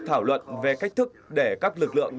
thảo luận về cách thức để các lực lượng